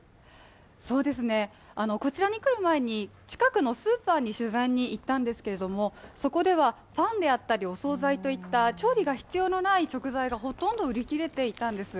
こちらに来る前に近くのスーパーに取材に行ったんですけれどもそこでは、パンであったりお総菜であったり、調理が必要ない食材がほとんど売り切れていたんです。